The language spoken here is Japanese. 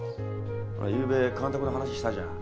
ほらゆうべ監督の話したじゃん。